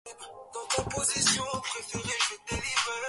Anachukua nafasi ya Mkuu wa mkoa wa Mbeya